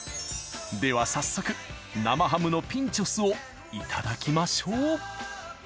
では早速生ハムのピンチョスをいただきましょう！